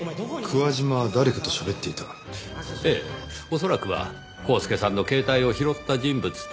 恐らくはコースケさんの携帯を拾った人物と。